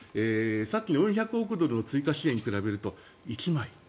さっきの４００億ドルの追加支援に比べると１枚。